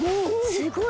すごい！